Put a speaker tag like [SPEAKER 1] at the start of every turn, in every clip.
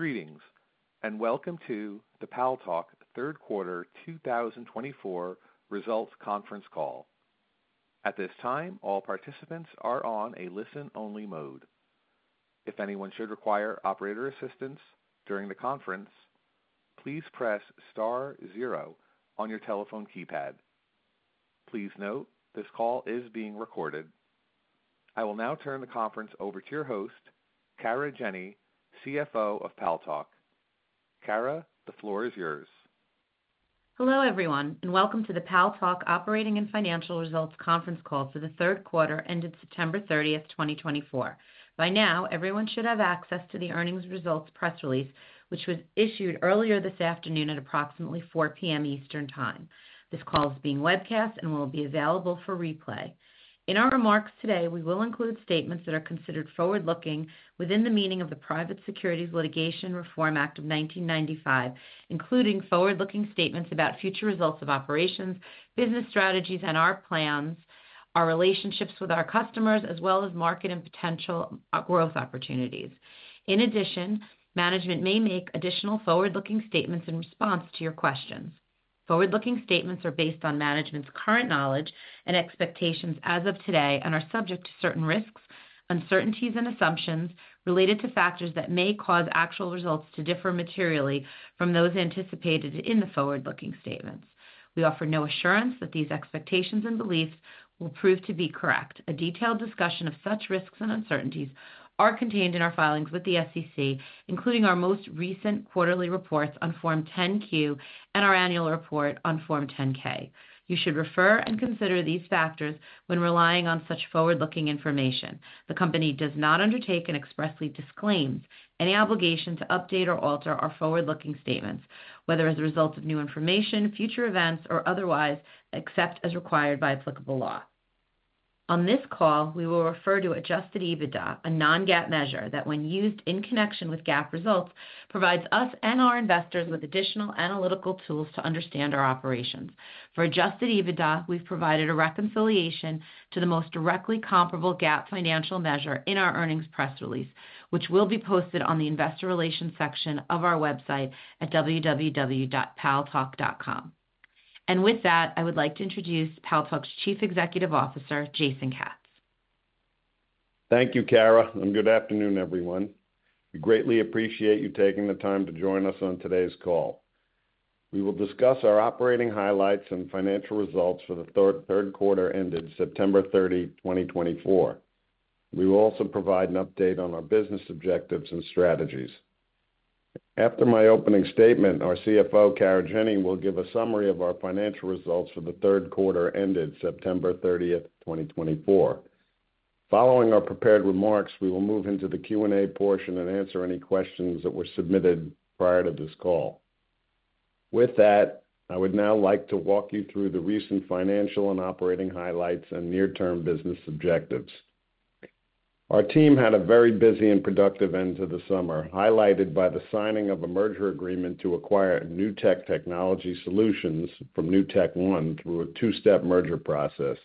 [SPEAKER 1] Greetings, and welcome to the Paltalk Third Quarter 2024 Results Conference Call. At this time, all participants are on a listen-only mode. If anyone should require operator assistance during the conference, please press star zero on your telephone keypad. Please note this call is being recorded. I will now turn the conference over to your host, Kara Jenny, CFO of Paltalk. Kara, the floor is yours.
[SPEAKER 2] Hello, everyone, and welcome to the Paltalk Operating and Financial Results Conference Call for the third quarter ended September 30th, 2024. By now, everyone should have access to the earnings results press release, which was issued earlier this afternoon at approximately 4:00 P.M. Eastern Time. This call is being webcast and will be available for replay. In our remarks today, we will include statements that are considered forward-looking within the meaning of the Private Securities Litigation Reform Act of 1995, including forward-looking statements about future results of operations, business strategies, and our plans, our relationships with our customers, as well as market and potential growth opportunities. In addition, management may make additional forward-looking statements in response to your questions. Forward-looking statements are based on management's current knowledge and expectations as of today and are subject to certain risks, uncertainties, and assumptions related to factors that may cause actual results to differ materially from those anticipated in the forward-looking statements. We offer no assurance that these expectations and beliefs will prove to be correct. A detailed discussion of such risks and uncertainties is contained in our filings with the SEC, including our most recent quarterly reports on Form 10-Q and our annual report on Form 10-K. You should refer and consider these factors when relying on such forward-looking information. The company does not undertake and expressly disclaims any obligation to update or alter our forward-looking statements, whether as a result of new information, future events, or otherwise, except as required by applicable law. On this call, we will refer to Adjusted EBITDA, a non-GAAP measure that, when used in connection with GAAP results, provides us and our investors with additional analytical tools to understand our operations. For Adjusted EBITDA, we've provided a reconciliation to the most directly comparable GAAP financial measure in our earnings press release, which will be posted on the investor relations section of our website at www.paltalk.com. And with that, I would like to introduce Paltalk's Chief Executive Officer, Jason Katz.
[SPEAKER 3] Thank you, Kara, and good afternoon, everyone. We greatly appreciate you taking the time to join us on today's call. We will discuss our operating highlights and financial results for the third quarter ended September 30, 2024. We will also provide an update on our business objectives and strategies. After my opening statement, our CFO, Kara Jenny, will give a summary of our financial results for the third quarter ended September 30th, 2024. Following our prepared remarks, we will move into the Q&A portion and answer any questions that were submitted prior to this call. With that, I would now like to walk you through the recent financial and operating highlights and near-term business objectives. Our team had a very busy and productive end to the summer, highlighted by the signing of a merger agreement to acquire Newtek Technology Solutions from NewtekOne through a two-step merger process.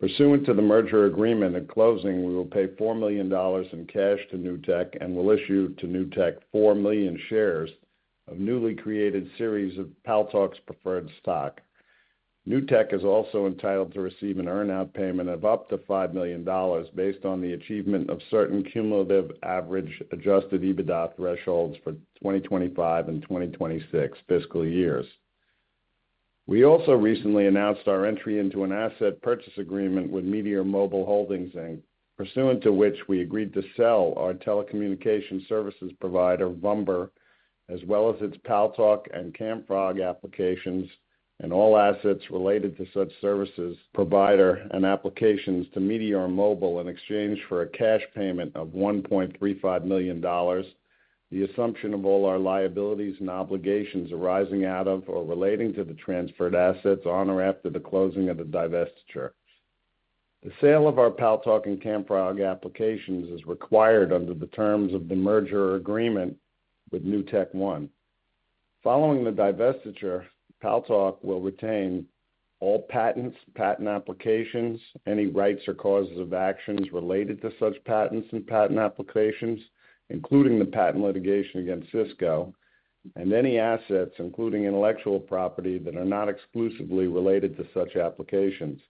[SPEAKER 3] Pursuant to the merger agreement and closing, we will pay $4 million in cash to Newtek Technology Solutions and will issue to Newtek Technology Solutions 4 million shares of newly created series of Paltalk's preferred stock. Newtek Technology Solutions is also entitled to receive an earn-out payment of up to $5 million based on the achievement of certain cumulative average Adjusted EBITDA thresholds for 2025 and 2026 fiscal years. We also recently announced our entry into an asset purchase agreement with Meteor Mobile Holdings, pursuant to which we agreed to sell our telecommunications services provider, Vumber, as well as its Paltalk and Camfrog applications and all assets related to such services provider and applications to Meteor Mobile Holdings in exchange for a cash payment of $1.35 million, the assumption of all our liabilities and obligations arising out of or relating to the transferred assets on or after the closing of the divestiture. The sale of our Paltalk and Camfrog applications is required under the terms of the merger agreement with NewtekOne. Following the divestiture, Paltalk will retain all patents, patent applications, any rights or causes of actions related to such patents and patent applications, including the patent litigation against Cisco, and any assets, including intellectual property, that are not exclusively related to such applications.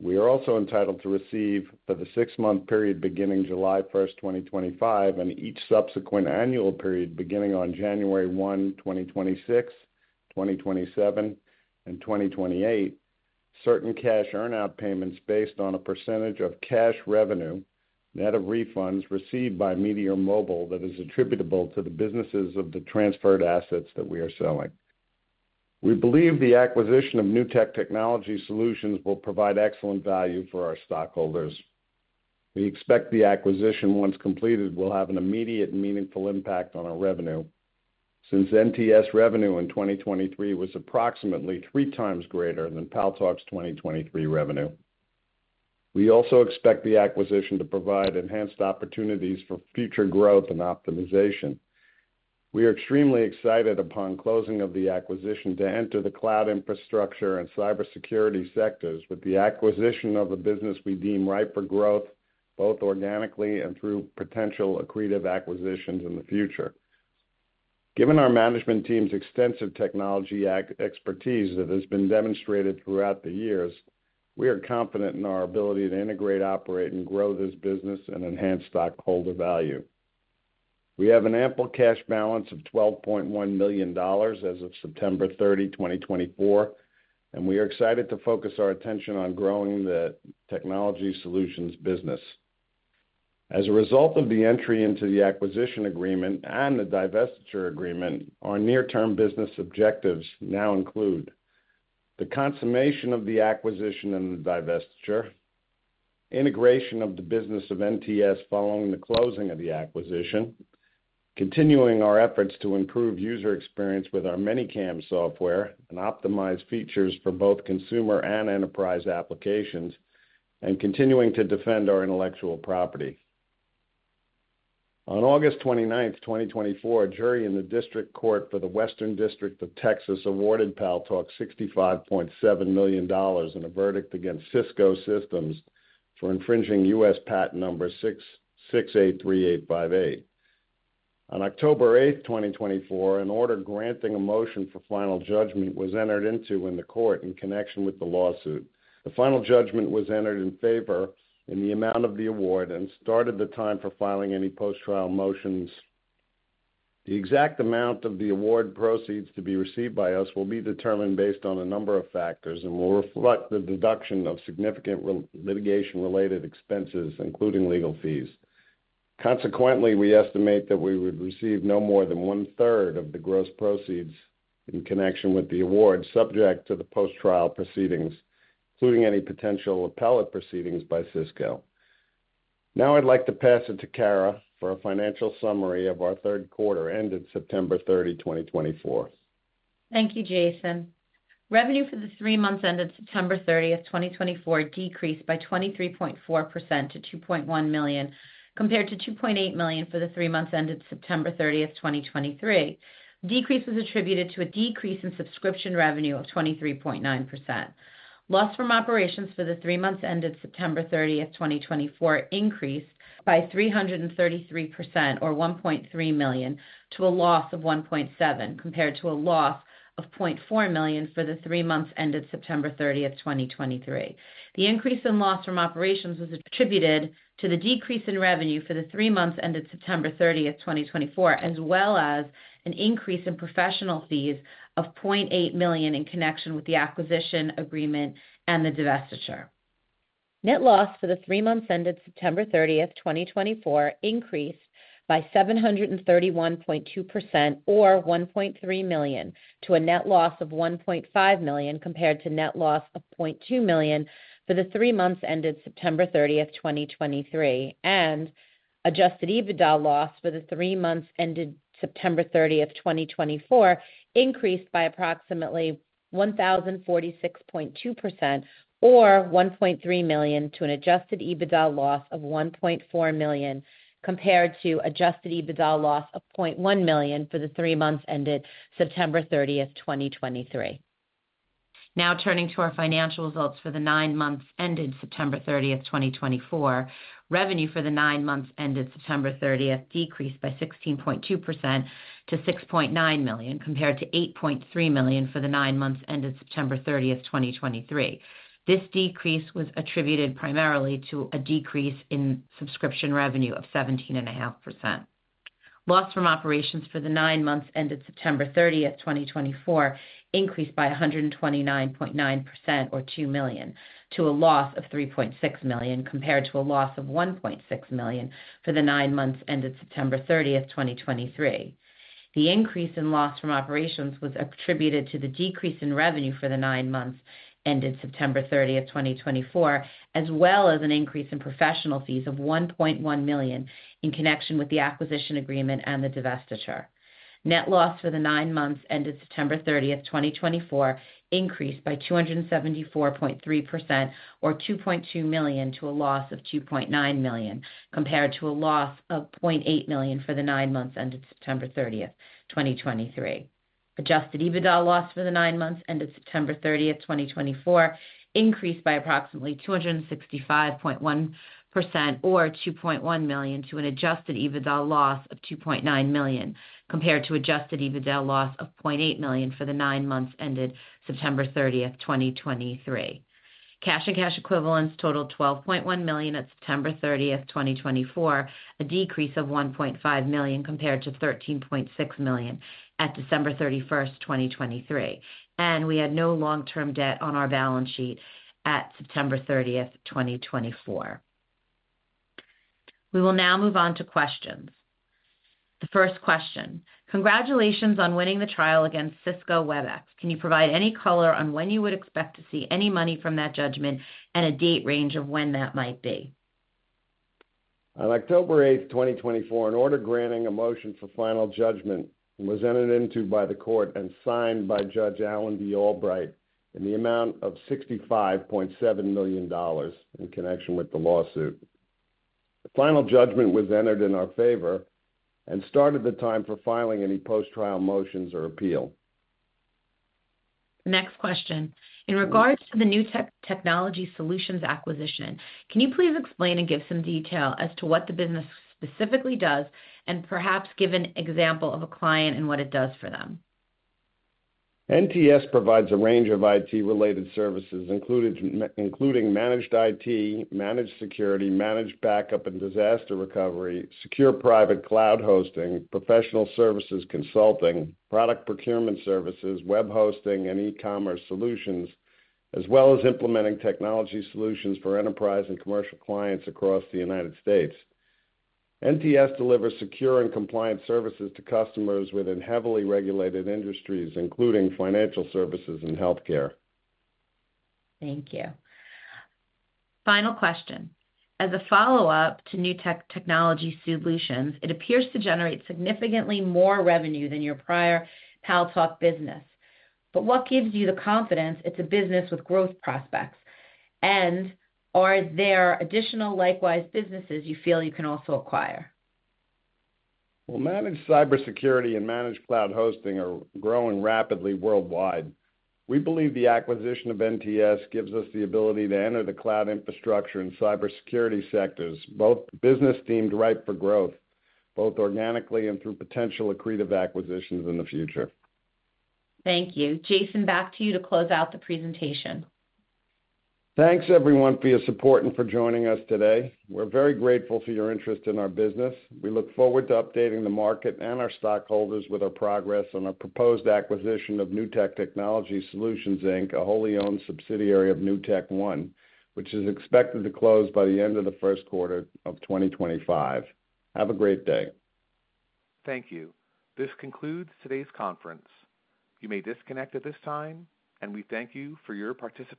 [SPEAKER 3] We are also entitled to receive for the six-month period beginning July 1st, 2025, and each subsequent annual period beginning on January 1, 2026, 2027, and 2028, certain cash earn-out payments based on a percentage of cash revenue net of refunds received by Meteor Mobile Holdings that is attributable to the businesses of the transferred assets that we are selling. We believe the acquisition of Newtek Technology Solutions will provide excellent value for our stockholders. We expect the acquisition, once completed, will have an immediate and meaningful impact on our revenue since NTS revenue in 2023 was approximately three times greater than Paltalk's 2023 revenue. We also expect the acquisition to provide enhanced opportunities for future growth and optimization. We are extremely excited upon closing of the acquisition to enter the cloud infrastructure and cybersecurity sectors with the acquisition of a business we deem ripe for growth, both organically and through potential accretive acquisitions in the future. Given our management team's extensive technology expertise that has been demonstrated throughout the years, we are confident in our ability to integrate, operate, and grow this business and enhance stockholder value. We have an ample cash balance of $12.1 million as of September 30, 2024, and we are excited to focus our attention on growing the technology solutions business. As a result of the entry into the acquisition agreement and the divestiture agreement, our near-term business objectives now include the consummation of the acquisition and the divestiture, integration of the business of NTS following the closing of the acquisition, continuing our efforts to improve user experience with our software and optimize features for both consumer and enterprise applications, and continuing to defend our intellectual property. On August 29th, 2024, a jury in the district court for the Western District of Texas awarded Paltalk $65.7 million in a verdict against Cisco Systems for infringing U.S. Patent No. 6,683,858. On October 8th, 2024, an order granting a motion for final judgment was entered into in the court in connection with the lawsuit. The final judgment was entered in favor in the amount of the award and started the time for filing any post-trial motions. The exact amount of the award proceeds to be received by us will be determined based on a number of factors and will reflect the deduction of significant litigation-related expenses, including legal fees. Consequently, we estimate that we would receive no more than one-third of the gross proceeds in connection with the award, subject to the post-trial proceedings, including any potential appellate proceedings by Cisco. Now I'd like to pass it to Kara for a financial summary of our third quarter ended September 30, 2024.
[SPEAKER 2] Thank you, Jason. Revenue for the three months ended September 30th, 2024, decreased by 23.4% to $2.1 million, compared to $2.8 million for the three months ended September 30th, 2023. The decrease was attributed to a decrease in subscription revenue of 23.9%. Loss from operations for the three months ended September 30th, 2024, increased by 333%, or $1.3 million, to a loss of $1.7 million, compared to a loss of $0.4 million for the three months ended September 30th, 2023. The increase in loss from operations was attributed to the decrease in revenue for the three months ended September 30th, 2024, as well as an increase in professional fees of $0.8 million in connection with the acquisition agreement and the divestiture. Net loss for the three months ended September 30th, 2024, increased by 731.2%, or $1.3 million, to a net loss of $1.5 million, compared to net loss of $0.2 million for the three months ended September 30th, 2023, and adjusted EBITDA loss for the three months ended September 30th, 2024, increased by approximately 1,046.2%, or $1.3 million, to an adjusted EBITDA loss of $1.4 million, compared to adjusted EBITDA loss of $0.1 million for the three months ended September 30th, 2023. Now turning to our financial results for the nine months ended September 30th, 2024, revenue for the nine months ended September 30th decreased by 16.2% to $6.9 million, compared to $8.3 million for the nine months ended September 30th, 2023. This decrease was attributed primarily to a decrease in subscription revenue of 17.5%. Loss from operations for the nine months ended September 30th, 2024, increased by 129.9%, or $2 million, to a loss of $3.6 million, compared to a loss of $1.6 million for the nine months ended September 30th, 2023. The increase in loss from operations was attributed to the decrease in revenue for the nine months ended September 30th, 2024, as well as an increase in professional fees of $1.1 million in connection with the acquisition agreement and the divestiture. Net loss for the nine months ended September 30th, 2024, increased by 274.3%, or $2.2 million, to a loss of $2.9 million, compared to a loss of $0.8 million for the nine months ended September 30th, 2023. Adjusted EBITDA loss for the nine months ended September 30th, 2024, increased by approximately 265.1%, or $2.1 million, to an adjusted EBITDA loss of $2.9 million, compared to adjusted EBITDA loss of $0.8 million for the nine months ended September 30th, 2023. Cash and cash equivalents totaled $12.1 million at September 30th, 2024, a decrease of $1.5 million compared to $13.6 million at December 31st, 2023. We had no long-term debt on our balance sheet at September 30th, 2024. We will now move on to questions. The first question: Congratulations on winning the trial against Cisco Webex. Can you provide any color on when you would expect to see any money from that judgment and a date range of when that might be?
[SPEAKER 3] On October 8th, 2024, an order granting a motion for final judgment was entered into by the court and signed by Judge Alan D. Albright in the amount of $65.7 million in connection with the lawsuit. The final judgment was entered in our favor and started the time for filing any post-trial motions or appeal.
[SPEAKER 2] Next question: In regards to the Newtek Technology Solutions acquisition, can you please explain and give some detail as to what the business specifically does and perhaps give an example of a client and what it does for them?
[SPEAKER 3] NTS provides a range of IT-related services, including managed IT, managed security, managed backup and disaster recovery, secure private cloud hosting, professional services consulting, product procurement services, web hosting, and e-commerce solutions, as well as implementing technology solutions for enterprise and commercial clients across the United States. NTS delivers secure and compliant services to customers within heavily regulated industries, including financial services and healthcare.
[SPEAKER 2] Thank you. Final question: As a follow-up to Newtek Technology Solutions, it appears to generate significantly more revenue than your prior Paltalk business. But what gives you the confidence it's a business with growth prospects? And are there additional likewise businesses you feel you can also acquire?
[SPEAKER 3] Managed cybersecurity and managed cloud hosting are growing rapidly worldwide. We believe the acquisition of NTS gives us the ability to enter the cloud infrastructure and cybersecurity sectors, both business themes ripe for growth, both organically and through potential accretive acquisitions in the future.
[SPEAKER 2] Thank you. Jason, back to you to close out the presentation.
[SPEAKER 3] Thanks, everyone, for your support and for joining us today. We're very grateful for your interest in our business. We look forward to updating the market and our stockholders with our progress on our proposed acquisition of Newtek Technology Solutions Inc., a wholly owned subsidiary of NewtekOne, which is expected to close by the end of the first quarter of 2025. Have a great day.
[SPEAKER 1] Thank you. This concludes today's conference. You may disconnect at this time, and we thank you for your participation.